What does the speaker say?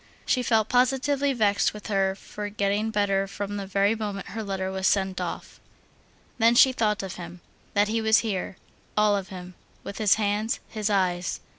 She felt positively vexed with her for getting better from the very moment her letter was sent off. Then she thought of him, that he was here, all of him, with his hands, his eyes.